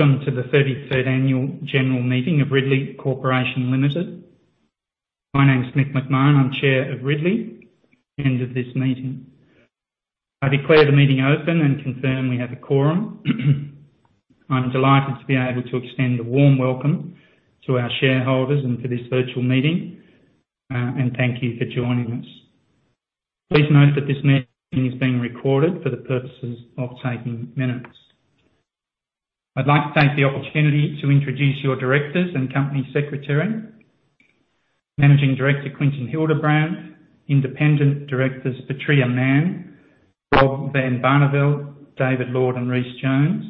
Welcome to the thirty-third annual general meeting of Ridley Corporation Limited. My name is Mick McMahon. I'm Chair of Ridley and of this meeting. I declare the meeting open and confirm we have a quorum. I'm delighted to be able to extend a warm welcome to our shareholders and to this virtual meeting, and thank you for joining us. Please note that this meeting is being recorded for the purposes of taking minutes. I'd like to take the opportunity to introduce your directors and company secretary. Managing Director, Quinton Hildebrand. Independent Directors, Patria Mann, Rob van Barneveld, David Lord and Rhys Jones,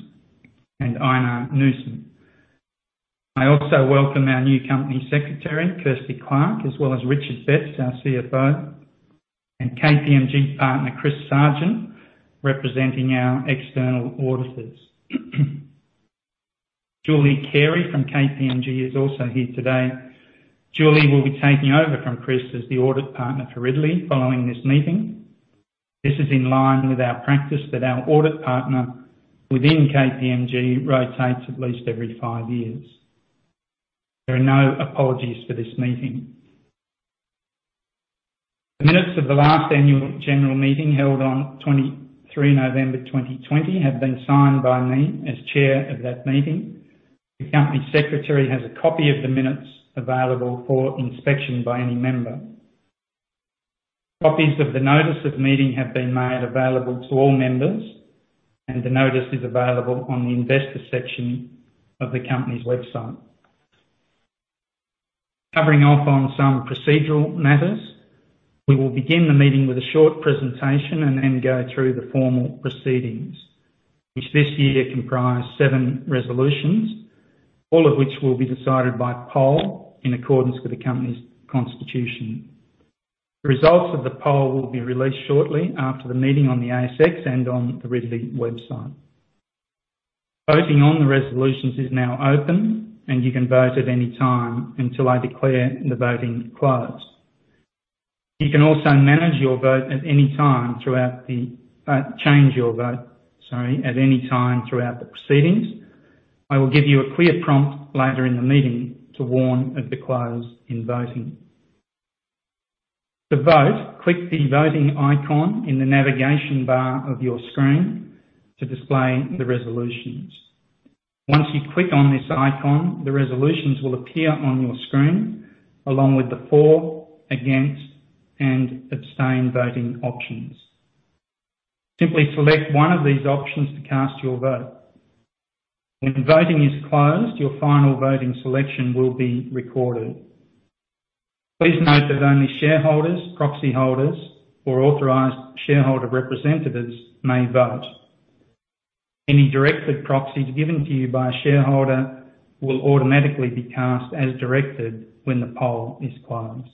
and Ejnar Knudsen. I also welcome our new company secretary, Kirsty Clarke, as well as Richard Betts, our CFO, and KPMG Partner, Chris Sargent, representing our external auditors. Julie Carey from KPMG is also here today. Julie Carey will be taking over from Chris Sargent as the audit partner for Ridley following this meeting. This is in line with our practice that our audit partner within KPMG rotates at least every five years. There are no apologies for this meeting. The minutes of the last annual general meeting held on 23 November 2020 have been signed by me as Chair of that meeting. The Company Secretary has a copy of the minutes available for inspection by any member. Copies of the notice of meeting have been made available to all members, and the notice is available on the investor section of the company's website. Covering off on some procedural matters, we will begin the meeting with a short presentation and then go through the formal proceedings, which this year comprise seven resolutions, all of which will be decided by poll in accordance with the company's constitution. The results of the poll will be released shortly after the meeting on the ASX and on the Ridley website. Voting on the resolutions is now open, and you can vote at any time until I declare the voting closed. You can also manage your vote at any time throughout the proceedings. Change your vote, sorry, at any time throughout the proceedings. I will give you a clear prompt later in the meeting to warn of the close in voting. To vote, click the voting icon in the navigation bar of your screen to display the resolutions. Once you click on this icon, the resolutions will appear on your screen, along with the for, against, and abstain voting options. Simply select one of these options to cast your vote. When voting is closed, your final voting selection will be recorded. Please note that only shareholders, proxy holders or authorized shareholder representatives may vote. Any directed proxies given to you by a shareholder will automatically be cast as directed when the poll is closed.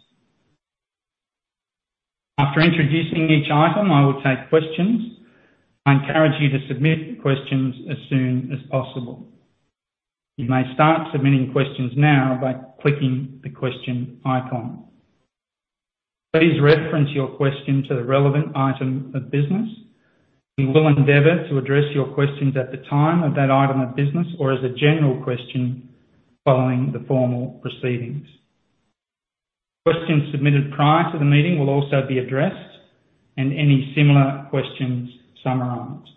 After introducing each item, I will take questions. I encourage you to submit questions as soon as possible. You may start submitting questions now by clicking the question icon. Please reference your question to the relevant item of business. We will endeavor to address your questions at the time of that item of business or as a general question following the formal proceedings. Questions submitted prior to the meeting will also be addressed and any similar questions summarized.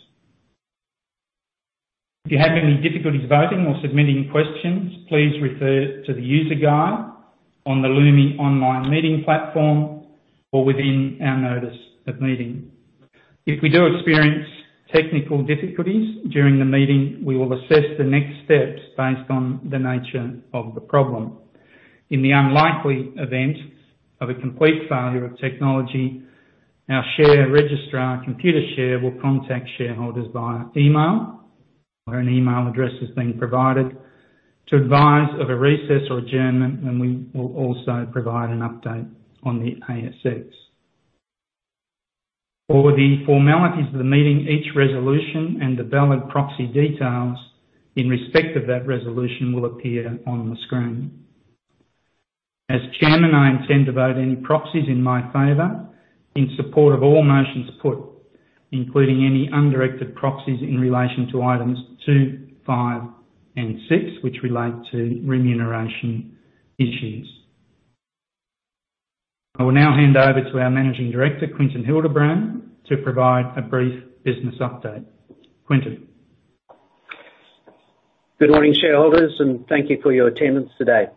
If you have any difficulties voting or submitting questions, please refer to the user guide on the Lumi online meeting platform or within our notice of meeting. If we do experience technical difficulties during the meeting, we will assess the next steps based on the nature of the problem. In the unlikely event of a complete failure of technology, our share registrar, Computershare, will contact shareholders via email, where an email address has been provided, to advise of a recess or adjournment, and we will also provide an update on the ASX. For the formalities of the meeting, each resolution and the valid proxy details in respect of that resolution will appear on the screen. As chairman, I intend to vote any proxies in my favor in support of all motions put, including any undirected proxies in relation to items two, five, and six, which relate to remuneration issues. I will now hand over to our managing director, Quinton Hildebrand, to provide a brief business update. Quinton. Good morning, shareholders, and thank you for your attendance today.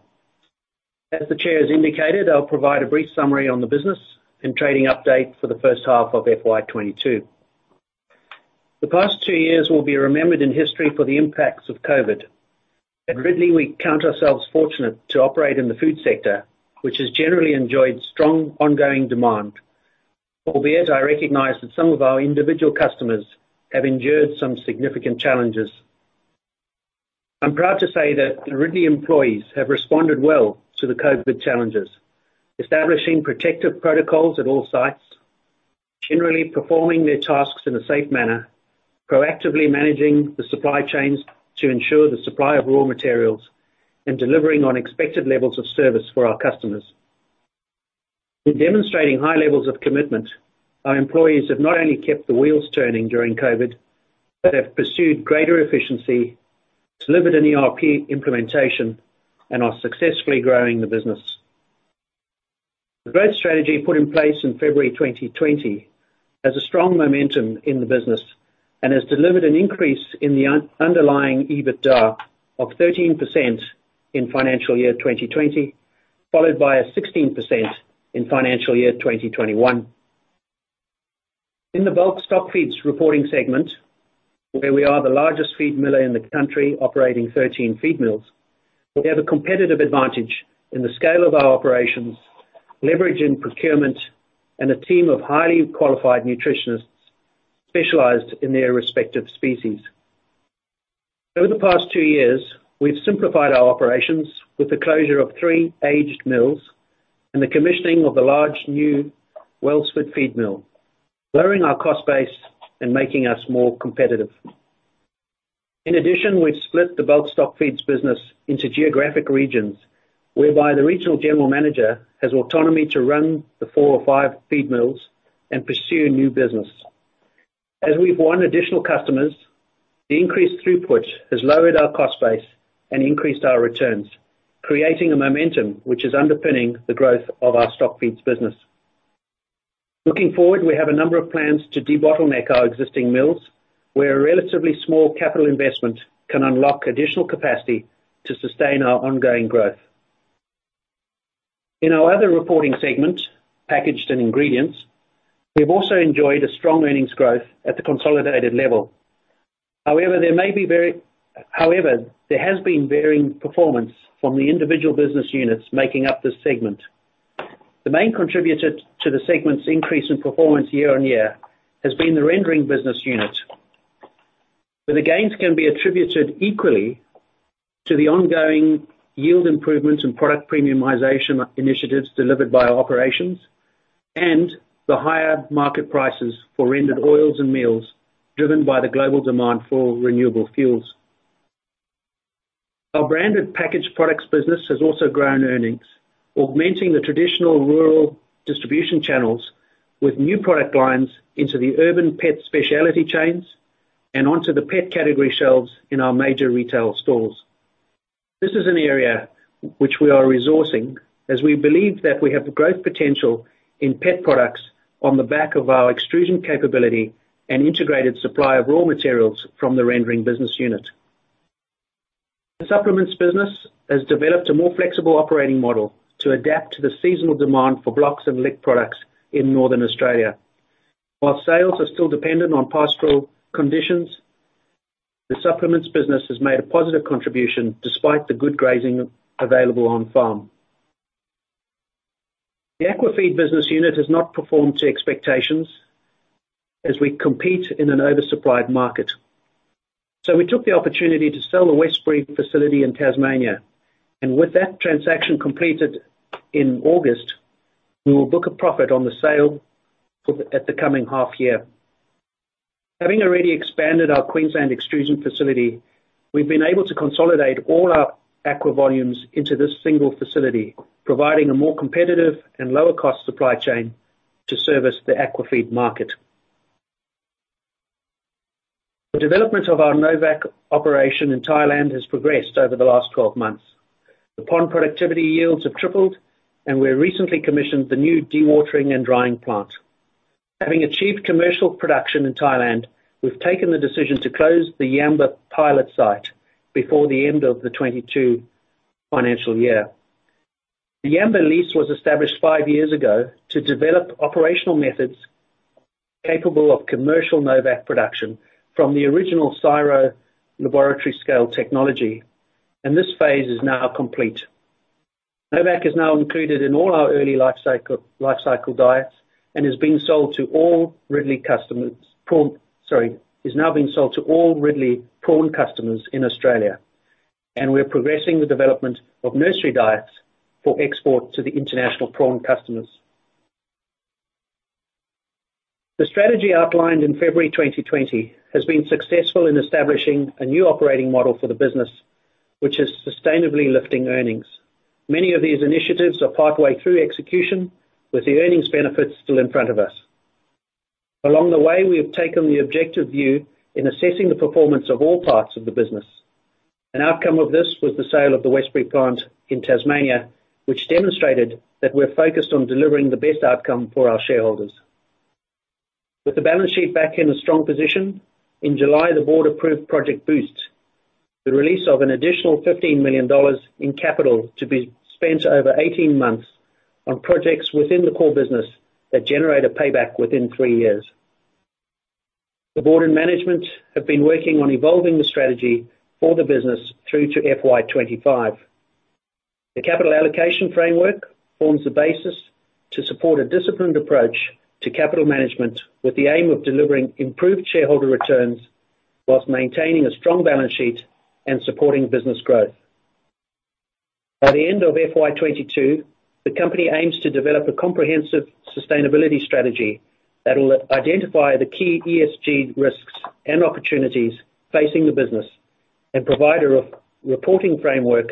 As the chair has indicated, I'll provide a brief summary on the business and trading update for the first half of FY 2022. The past two years will be remembered in history for the impacts of COVID. At Ridley, we count ourselves fortunate to operate in the food sector, which has generally enjoyed strong ongoing demand. Albeit I recognize that some of our individual customers have endured some significant challenges. I'm proud to say that the Ridley employees have responded well to the COVID challenges. Establishing protective protocols at all sites, generally performing their tasks in a safe manner, proactively managing the supply chains to ensure the supply of raw materials, and delivering on expected levels of service for our customers. In demonstrating high levels of commitment, our employees have not only kept the wheels turning during COVID, but have pursued greater efficiency to deliver an ERP implementation and are successfully growing the business. The growth strategy put in place in February 2020 has a strong momentum in the business and has delivered an increase in the underlying EBITDA of 13% in financial year 2020, followed by a 16% in financial year 2021. In the bulk stockfeeds reporting segment, where we are the largest feed miller in the country operating 13 feed mills, we have a competitive advantage in the scale of our operations, leverage in procurement, and a team of highly qualified nutritionists specialized in their respective species. Over the past two years, we've simplified our operations with the closure of three aged mills and the commissioning of the large new Wellsford feed mill, lowering our cost base and making us more competitive. In addition, we've split the bulk stock feeds business into geographic regions, whereby the regional general manager has autonomy to run the four or five feed mills and pursue new business. As we've won additional customers, the increased throughput has lowered our cost base and increased our returns, creating a momentum which is underpinning the growth of our stock feeds business. Looking forward, we have a number of plans to debottleneck our existing mills, where a relatively small capital investment can unlock additional capacity to sustain our ongoing growth. In our other reporting segment, Packaged and Ingredients, we've also enjoyed a strong earnings growth at the consolidated level. However, there has been varying performance from the individual business units making up this segment. The main contributor to the segment's increase in performance year on year has been the rendering business unit, where the gains can be attributed equally to the ongoing yield improvements and product premiumization initiatives delivered by our operations and the higher market prices for rendered oils and meals driven by the global demand for renewable fuels. Our branded packaged products business has also grown earnings, augmenting the traditional rural distribution channels with new product lines into the urban pet specialty chains and onto the pet category shelves in our major retail stores. This is an area which we are resourcing as we believe that we have growth potential in pet products on the back of our extrusion capability and integrated supply of raw materials from the rendering business unit. The supplements business has developed a more flexible operating model to adapt to the seasonal demand for blocks and lick products in Northern Australia. While sales are still dependent on pastoral conditions, the supplements business has made a positive contribution despite the good grazing available on farm. The aqua feed business unit has not performed to expectations as we compete in an oversupplied market. We took the opportunity to sell the Westbury facility in Tasmania. With that transaction completed in August, we will book a profit on the sale at the coming half year. Having already expanded our Queensland extrusion facility, we've been able to consolidate all our aqua volumes into this single facility, providing a more competitive and lower-cost supply chain to service the aqua feed market. The development of our Novacq operation in Thailand has progressed over the last 12 months. The pond productivity yields have tripled, and we recently commissioned the new dewatering and drying plant. Having achieved commercial production in Thailand, we've taken the decision to close the Yamba pilot site before the end of the 2022 financial year. The Yamba lease was established five years ago to develop operational methods capable of commercial Novacq production from the original CSIRO laboratory scale technology, and this phase is now complete. Novacq is now included in all our early life cycle diets and is being sold to all Ridley prawn customers in Australia. We're progressing the development of nursery diets for export to the international prawn customers. The strategy outlined in February 2020 has been successful in establishing a new operating model for the business, which is sustainably lifting earnings. Many of these initiatives are partway through execution, with the earnings benefits still in front of us. Along the way, we have taken the objective view in assessing the performance of all parts of the business. An outcome of this was the sale of the Westbury plant in Tasmania, which demonstrated that we're focused on delivering the best outcome for our shareholders. With the balance sheet back in a strong position, in July, the board approved Project Boost, the release of an additional 15 million dollars in capital to be spent over 18 months on projects within the core business that generate a payback within three years. The board and management have been working on evolving the strategy for the business through to FY 2025. The capital allocation framework forms the basis to support a disciplined approach to capital management with the aim of delivering improved shareholder returns while maintaining a strong balance sheet and supporting business growth. By the end of FY 2022, the company aims to develop a comprehensive sustainability strategy that will identify the key ESG risks and opportunities facing the business and provide a reporting framework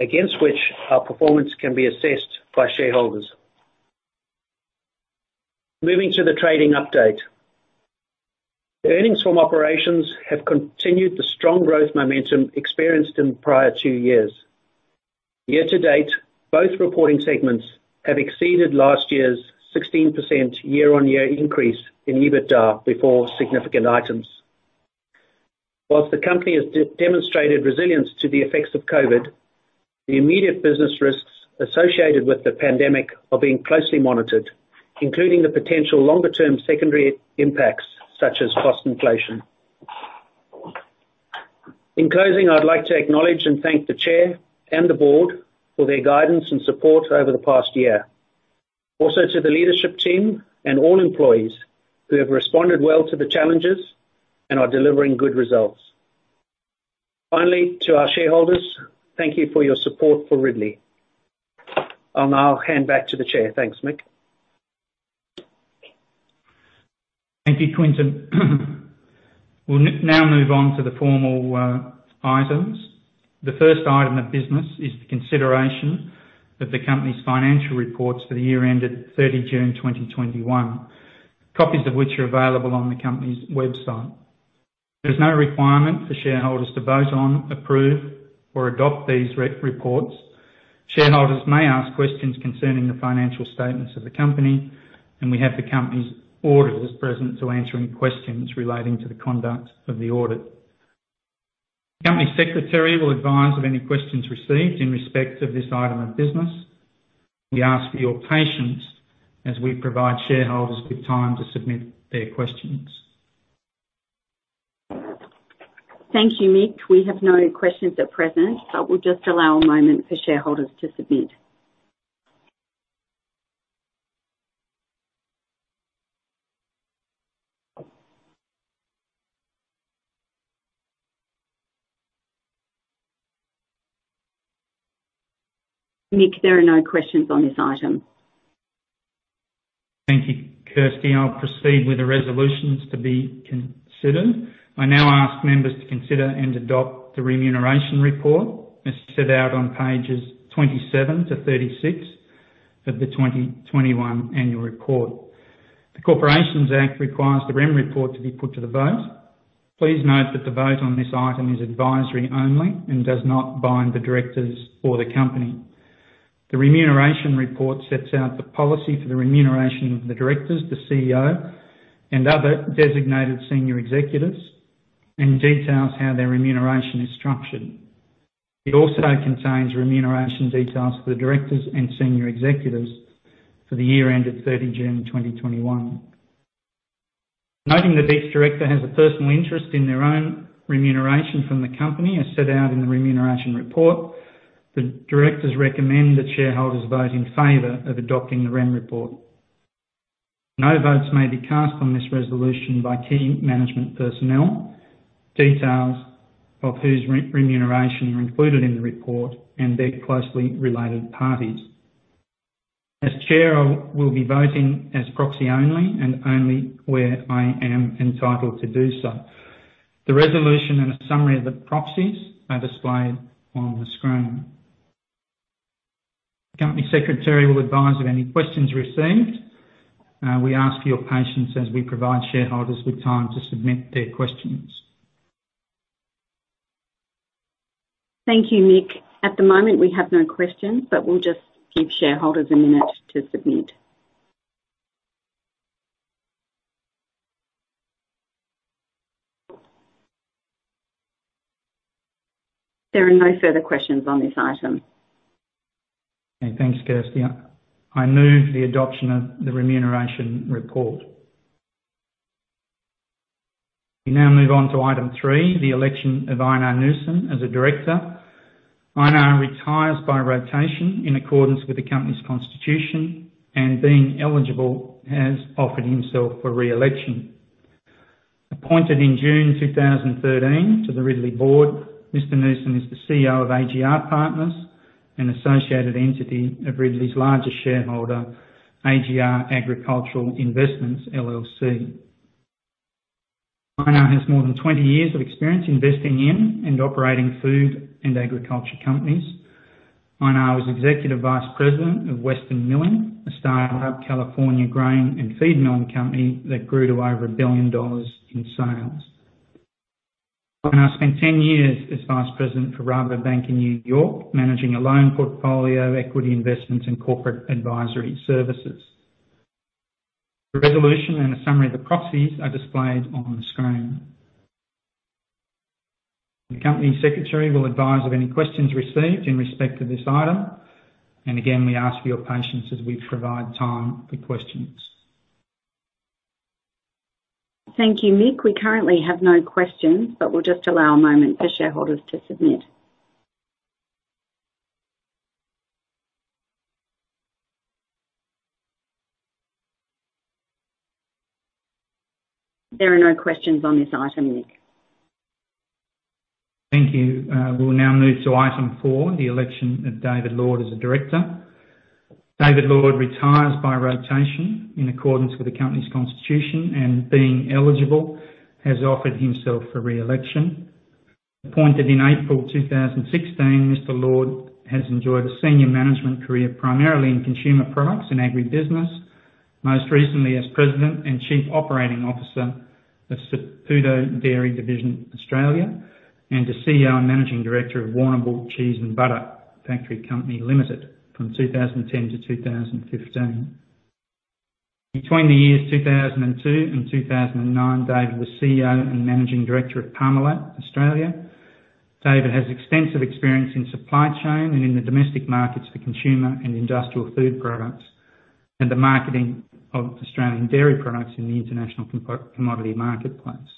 against which our performance can be assessed by shareholders. Moving to the trading update. Earnings from operations have continued the strong growth momentum experienced in prior two years. Year to date, both reporting segments have exceeded last year's 16% year-over-year increase in EBITDA before significant items. While the company has demonstrated resilience to the effects of COVID, the immediate business risks associated with the pandemic are being closely monitored, including the potential longer-term secondary impacts such as cost inflation. In closing, I'd like to acknowledge and thank the Chair and the Board for their guidance and support over the past year. Also to the leadership team and all employees who have responded well to the challenges and are delivering good results. Finally, to our shareholders, thank you for your support for Ridley. I'll now hand back to the Chair. Thanks, Mick. Thank you, Quinton. We'll now move on to the formal items. The first item of business is the consideration of the company's financial reports for the year ended 30 June 2021, copies of which are available on the company's website. There's no requirement for shareholders to vote on, approve, or adopt these reports. Shareholders may ask questions concerning the financial statements of the company, and we have the company's auditors present to answer any questions relating to the conduct of the audit. The Company Secretary will advise of any questions received in respect of this item of business. We ask for your patience as we provide shareholders with time to submit their questions. Thank you, Mick. We have no questions at present, but we'll just allow a moment for shareholders to submit. Mick, there are no questions on this item. Thank you, Kirsty. I'll proceed with the resolutions to be considered. I now ask members to consider and adopt the remuneration report, as set out on pages 27 to 36 of the 2021 annual report. The Corporations Act requires the REM report to be put to the vote. Please note that the vote on this item is advisory only and does not bind the directors or the company. The remuneration report sets out the policy for the remuneration of the directors, the CEO, and other designated senior executives, and details how their remuneration is structured. It also contains remuneration details for the directors and senior executives for the year ended 30 June 2021. Noting that each director has a personal interest in their own remuneration from the company, as set out in the remuneration report, the directors recommend that shareholders vote in favor of adopting the REM report. No votes may be cast on this resolution by key management personnel, details of whose remuneration are included in the report and their closely related parties. As Chair, I will be voting as proxy only and only where I am entitled to do so. The resolution and a summary of the proxies are displayed on the screen. Company Secretary will advise of any questions received. We ask for your patience as we provide shareholders with time to submit their questions. Thank you, Mick. At the moment, we have no questions, but we'll just give shareholders a minute to submit. There are no further questions on this item. Okay. Thanks, Kirsty. I move the adoption of the remuneration report. We now move on to item three, the election of Ejnar Knudsen as a director. Ejnar retires by rotation in accordance with the company's constitution and being eligible, has offered himself for re-election. Appointed in June 2013 to the Ridley board, Mr. Knudsen is the CEO of AGR Partners, an associated entity of Ridley's largest shareholder, AGR Agricultural Investments LLC. Ejnar has more than 20 years of experience investing in and operating food and agriculture companies. Ejnar was Executive Vice President of Western Milling, a startup California grain and feed mill company that grew to over $1 billion in sales. Ejnar spent 10 years as Vice President for Rabobank in New York, managing a loan portfolio, equity investments, and corporate advisory services. The resolution and a summary of the proxies are displayed on the screen. The company secretary will advise of any questions received in respect to this item. Again, we ask for your patience as we provide time for questions. Thank you, Mick. We currently have no questions, but we'll just allow a moment for shareholders to submit. There are no questions on this item, Mick. Thank you. We'll now move to item four, the election of David Lord as a director. David Lord retires by rotation in accordance with the company's constitution, and being eligible, has offered himself for re-election. Appointed in April 2016, Mr. Lord has enjoyed a senior management career, primarily in consumer products and agribusiness, most recently as President and Chief Operating Officer of Saputo Dairy Division Australia and the CEO and Managing Director of Warrnambool Cheese and Butter Factory Company Limited from 2010 to 2015. Between the years 2002 and 2009, David was CEO and Managing Director of Parmalat Australia. David has extensive experience in supply chain and in the domestic markets for consumer and industrial food products and the marketing of Australian dairy products in the international commodity marketplace.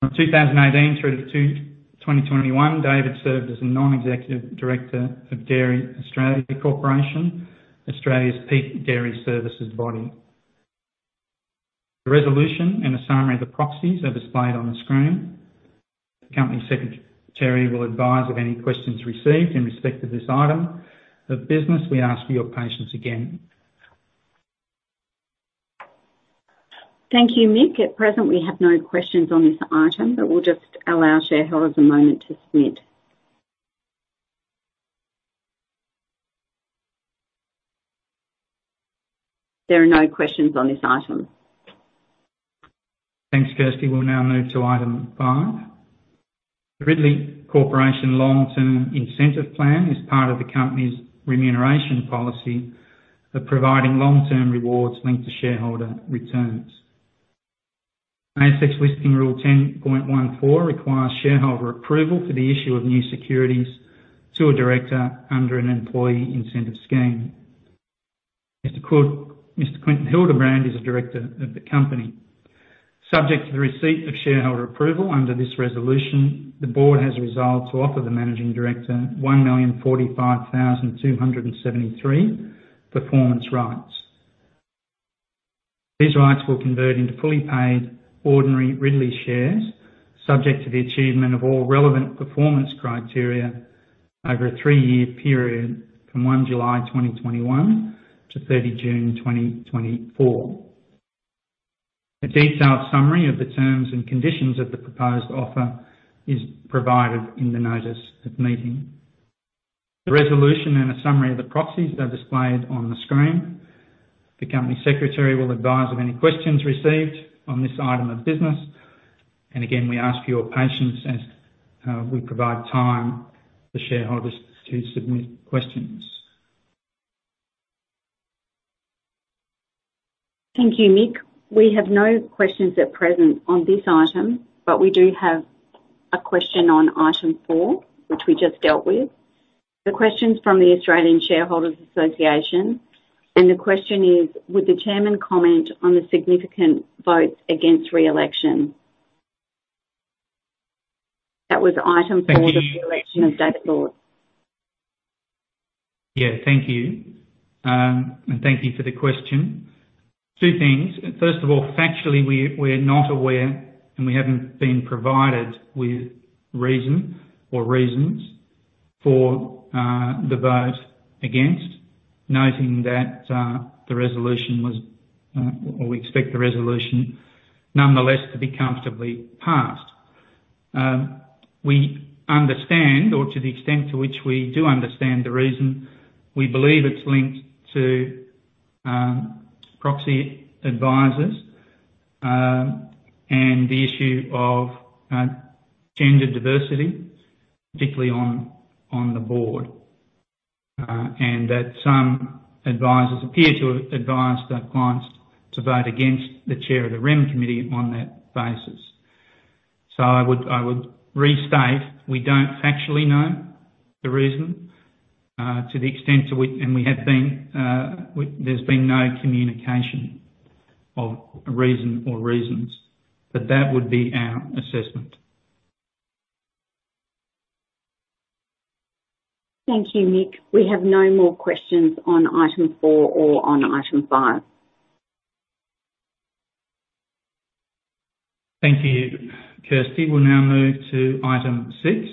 From 2018 through to 2021, David served as a non-executive director of Dairy Australia Corporation, Australia's peak dairy services body. The resolution and a summary of the proxies are displayed on the screen. The Company Secretary will advise of any questions received in respect of this item of business. We ask for your patience again. Thank you, Mick. At present, we have no questions on this item, but we'll just allow shareholders a moment to submit. There are no questions on this item. Thanks, Kirsty. We'll now move to item five. The Ridley Corporation Long Term Incentive Plan is part of the company's remuneration policy of providing long-term rewards linked to shareholder returns. ASX Listing Rule 10.14 requires shareholder approval for the issue of new securities to a director under an employee incentive scheme. Mr. Quinton Hildebrand is a director of the company. Subject to the receipt of shareholder approval under this resolution, the board has resolved to offer the Managing Director 1,045,273 performance rights. These rights will convert into fully paid ordinary Ridley shares, subject to the achievement of all relevant performance criteria over a three-year period from 1 July 2021 to 30 June 2024. A detailed summary of the terms and conditions of the proposed offer is provided in the notice of meeting. The resolution and a summary of the proxies are displayed on the screen. The Company Secretary will advise of any questions received on this item of business, and again, we ask for your patience as we provide time for shareholders to submit questions. Thank you, Mick. We have no questions at present on this item, but we do have a question on item four, which we just dealt with. The question's from the Australian Shareholders' Association, and the question is: Would the chairman comment on the significant votes against re-election? That was item four. Thank you. of the election of David Lord. Yeah. Thank you. Thank you for the question. Two things. First of all, factually, we're not aware, and we haven't been provided with reason or reasons for the vote against, noting that we expect the resolution nonetheless to be comfortably passed. We understand, or to the extent to which we do understand the reason, we believe it's linked to proxy advisors and the issue of gender diversity, particularly on the board, and that some advisors appear to have advised their clients to vote against the chair of the Rem Committee on that basis. I would restate, we don't factually know the reason, to the extent to which we have been, there's been no communication of a reason or reasons, but that would be our assessment. Thank you, Mick. We have no more questions on item four or on item five. Thank you, Kirsty. We'll now move to item six.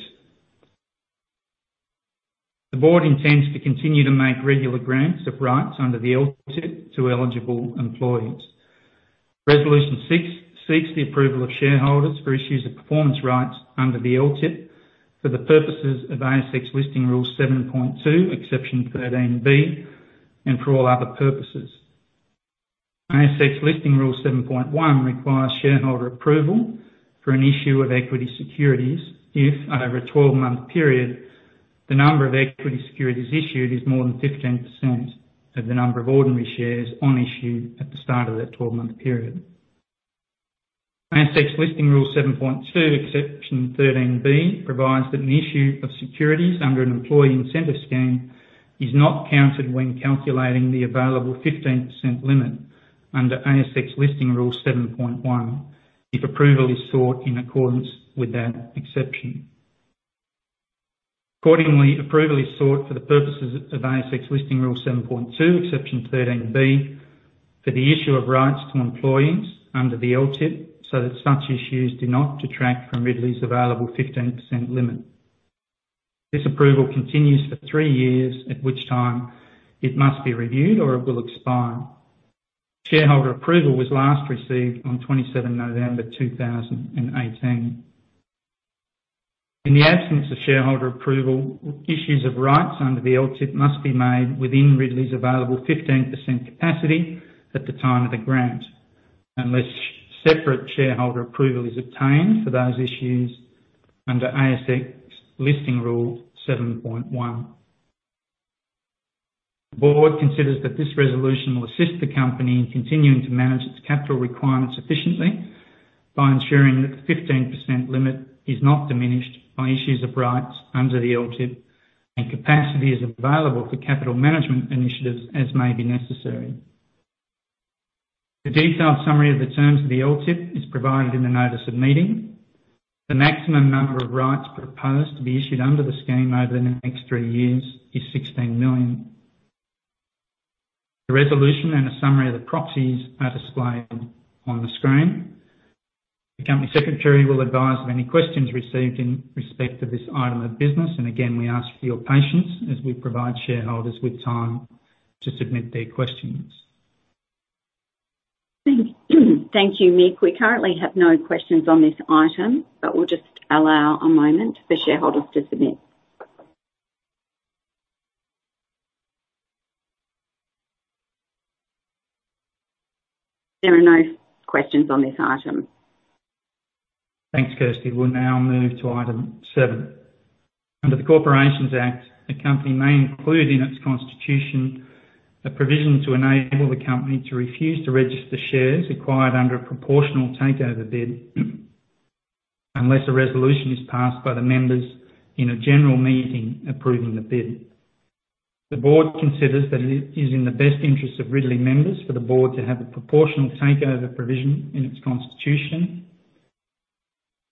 The board intends to continue to make regular grants of rights under the LTIP to eligible employees. Resolution six seeks the approval of shareholders for issues of performance rights under the LTIP for the purposes of ASX Listing Rule 7.2, exception 13B, and for all other purposes. ASX Listing Rule 7.1 requires shareholder approval for an issue of equity securities if, over a 12-month period, the number of equity securities issued is more than 15% of the number of ordinary shares on issue at the start of that 12-month period. ASX Listing Rule 7.2, exception 13B, provides that an issue of securities under an employee incentive scheme is not counted when calculating the available 15% limit under ASX Listing Rule 7.1 if approval is sought in accordance with that exception. Accordingly, approval is sought for the purposes of ASX Listing Rule 7.2, exception 13B for the issue of rights to employees under the LTIP, so that such issues do not detract from Ridley's available 15% limit. This approval continues for three years, at which time it must be reviewed or it will expire. Shareholder approval was last received on 27 November 2018. In the absence of shareholder approval, issues of rights under the LTIP must be made within Ridley's available 15% capacity at the time of the grant, unless separate shareholder approval is obtained for those issues under ASX Listing Rule 7.1. The board considers that this resolution will assist the company in continuing to manage its capital requirements efficiently by ensuring that the 15% limit is not diminished by issues of rights under the LTIP and capacity is available for capital management initiatives as may be necessary. The detailed summary of the terms of the LTIP is provided in the notice of meeting. The maximum number of rights proposed to be issued under the scheme over the next three years is 16 million. The resolution and a summary of the proxies are displayed on the screen. The Company Secretary will advise of any questions received in respect to this item of business. Again, we ask for your patience as we provide shareholders with time to submit their questions. Thank you, Mick. We currently have no questions on this item, but we'll just allow a moment for shareholders to submit. There are no questions on this item. Thanks, Kirsty. We'll now move to item seven. Under the Corporations Act, a company may include in its constitution a provision to enable the company to refuse to register shares acquired under a proportional takeover bid unless a resolution is passed by the members in a general meeting approving the bid. The board considers that it is in the best interest of Ridley members for the board to have a proportional takeover provision in its constitution.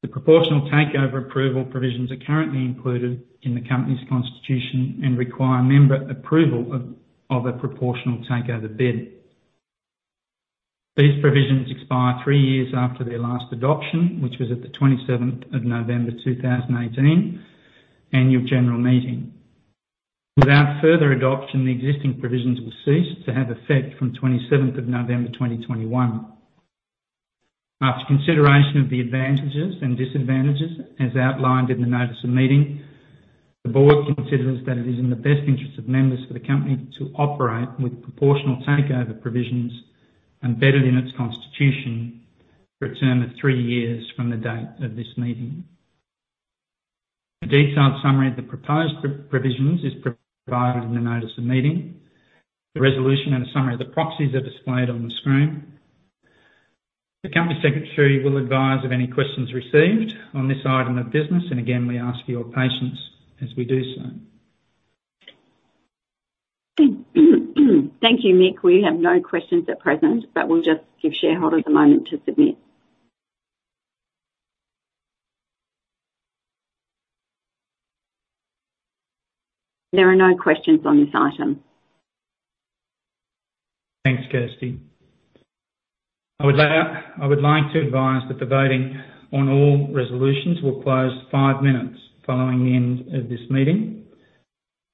The proportional takeover approval provisions are currently included in the company's constitution and require member approval of a proportional takeover bid. These provisions expire three years after their last adoption, which was at the 27th of November 2018 annual general meeting. Without further adoption, the existing provisions will cease to have effect from 27th of November 2021. After consideration of the advantages and disadvantages, as outlined in the notice of meeting, the board considers that it is in the best interest of members for the company to operate with proportional takeover provisions embedded in its constitution for a term of three years from the date of this meeting. A detailed summary of the proposed provisions is provided in the notice of meeting. The resolution and a summary of the proxies are displayed on the screen. The Company Secretary will advise of any questions received on this item of business. Again, we ask for your patience as we do so. Thank you, Mick. We have no questions at present, but we'll just give shareholders a moment to submit. There are no questions on this item. Thanks, Kirsty. I would like to advise that the voting on all resolutions will close five minutes following the end of this meeting.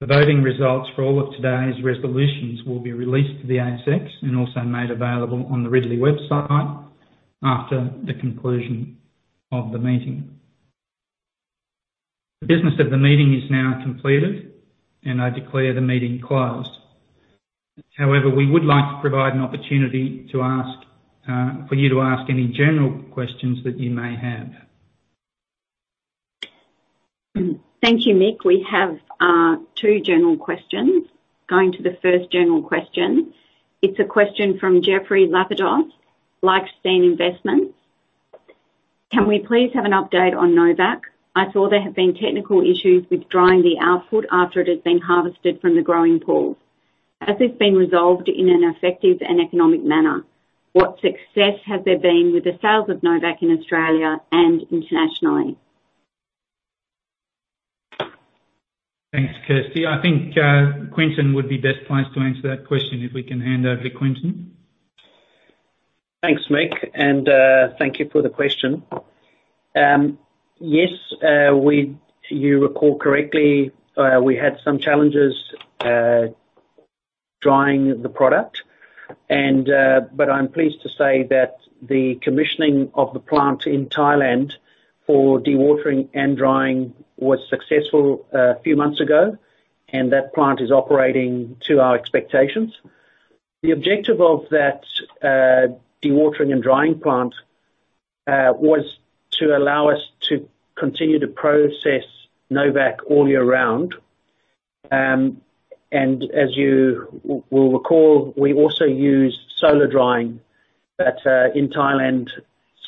The voting results for all of today's resolutions will be released to the ASX and also made available on the Ridley website after the conclusion of the meeting. The business of the meeting is now completed, and I declare the meeting closed. However, we would like to provide an opportunity for you to ask any general questions that you may have. Thank you, Mick. We have two general questions. Going to the first general question. It's a question from Jeffrey Lapidos, Lifespan Investments. Can we please have an update on Novacq? I saw there have been technical issues with drying the output after it has been harvested from the growing pools. Has this been resolved in an effective and economic manner? What success have there been with the sales of Novacq in Australia and internationally? Thanks, Kirsty. I think, Quinton would be best placed to answer that question, if we can hand over to Quinton. Thanks, Mick, and thank you for the question. Yes, you recall correctly, we had some challenges drying the product and, but I'm pleased to say that the commissioning of the plant in Thailand for dewatering and drying was successful a few months ago, and that plant is operating to our expectations. The objective of that dewatering and drying plant was to allow us to continue to process Novacq all year round. And as you will recall, we also use solar drying, but in Thailand,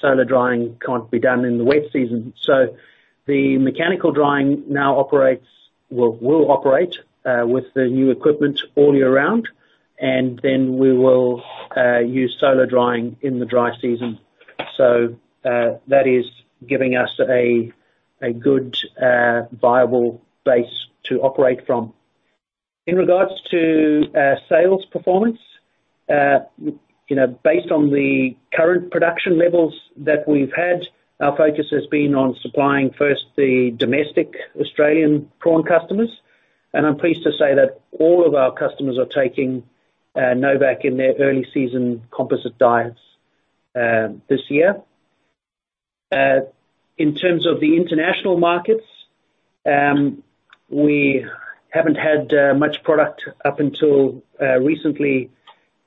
solar drying can't be done in the wet season. The mechanical drying will operate with the new equipment all year round, and then we will use solar drying in the dry season. That is giving us a good viable base to operate from. In regards to sales performance, you know, based on the current production levels that we've had, our focus has been on supplying first the domestic Australian prawn customers. I'm pleased to say that all of our customers are taking Novacq in their early season composite diets this year. In terms of the international markets, we haven't had much product up until recently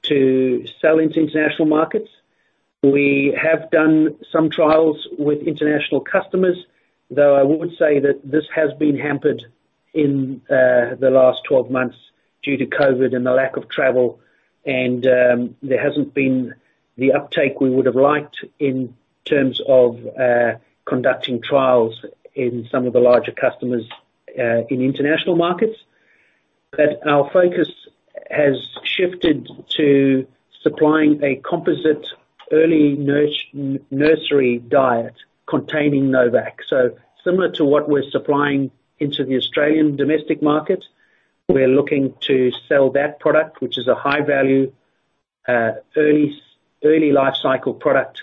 to sell into international markets. We have done some trials with international customers, though I would say that this has been hampered in the last 12 months due to COVID and the lack of travel, and there hasn't been the uptake we would have liked in terms of conducting trials in some of the larger customers in international markets. Our focus has shifted to supplying a composite early nursery diet containing Novacq. Similar to what we're supplying into the Australian domestic market, we're looking to sell that product, which is a high-value, early life cycle product,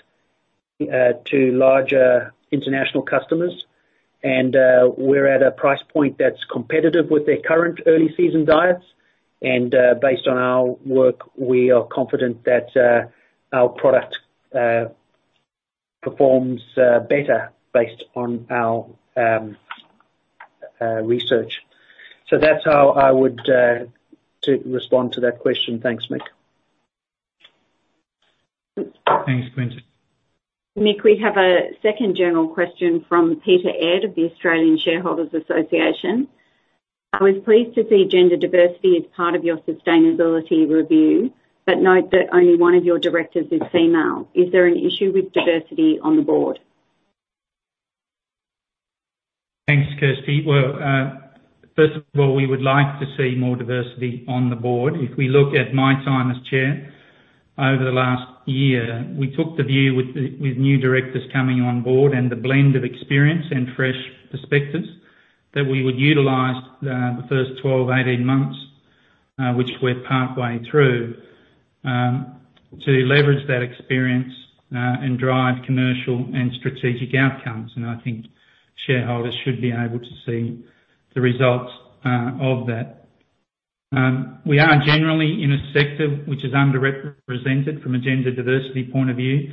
to larger international customers. We're at a price point that's competitive with their current early season diets, and based on our work, we are confident that our product performs better based on our research. That's how I would to respond to that question. Thanks, Mick. Thanks, Quinton. Mick, we have a second journal question from Peter Aird of the Australian Shareholders' Association. I was pleased to see gender diversity as part of your sustainability review, but note that only one of your directors is female. Is there an issue with diversity on the board? Thanks, Kirsty. Well, first of all, we would like to see more diversity on the board. If we look at my time as Chair over the last year, we took the view with new directors coming on board and the blend of experience and fresh perspectives, that we would utilize the first 12, 18 months, which we're partway through, to leverage that experience and drive commercial and strategic outcomes. I think shareholders should be able to see the results of that. We are generally in a sector which is underrepresented from a gender diversity point of view,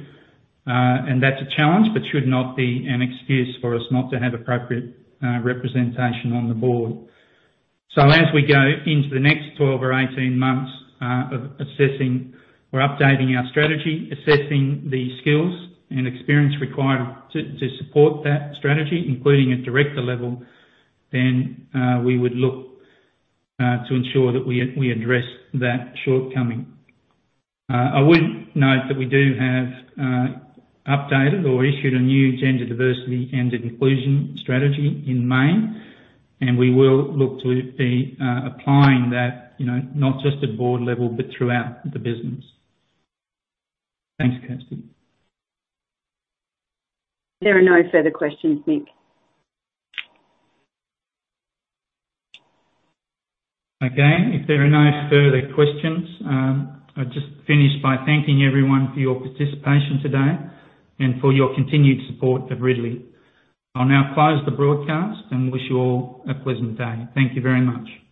and that's a challenge, but should not be an excuse for us not to have appropriate representation on the board. As we go into the next 12 or 18 months of assessing or updating our strategy, assessing the skills and experience required to support that strategy, including at director level, then we would look to ensure that we address that shortcoming. I would note that we do have updated or issued a new gender diversity and inclusion strategy in May, and we will look to be applying that, you know, not just at board level, but throughout the business. Thanks, Kirsty. There are no further questions, Mick. Okay. If there are no further questions, I'll just finish by thanking everyone for your participation today and for your continued support of Ridley. I'll now close the broadcast and wish you all a pleasant day. Thank you very much.